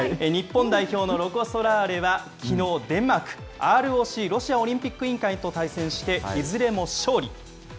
日本代表のロコ・ソラーレはきのう、デンマーク、ＲＯＣ・ロシアオリンピック委員会と対戦していずれも勝利。